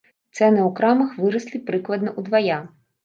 Цэны ў крамах выраслі прыкладна ўдвая.